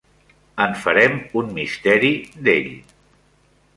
En farem un misteri, d'ell.